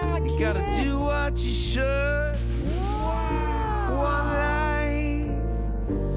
うわ！